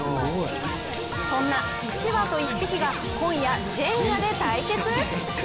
そんな１羽と１匹が今夜、ジェンガで対決。